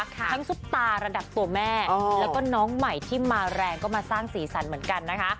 ซุปตาระดับตัวแม่แล้วก็น้องใหม่ที่มาแรงก็มาสร้างสีสันเหมือนกันนะคะ